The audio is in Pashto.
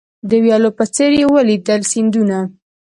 د ویالو په څېر یې ولیدل سیندونه